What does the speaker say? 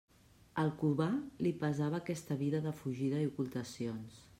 Al Cubà li pesava aquesta vida de fugida i ocultacions.